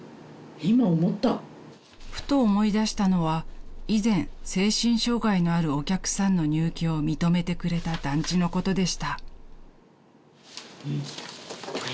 ［ふと思い出したのは以前精神障害のあるお客さんの入居を認めてくれた団地のことでした］